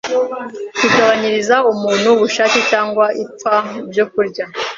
bigabanyiriza umuntu ubushake cyangwa ipfa byo kurya,